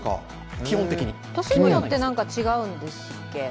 年によって違うんですっけ？